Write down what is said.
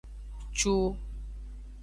Cu.